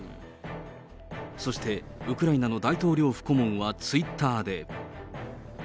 そしてウクライナ大統領府顧問はツイッターで。